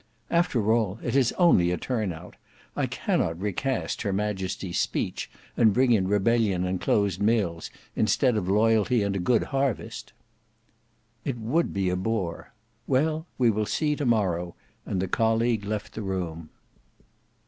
"After all it is only a turn out. I cannot recast her Majesty's speech and bring in rebellion and closed mills, instead of loyalty and a good harvest." "It would be a bore. Well, we will see to morrow;" and the colleague left the room.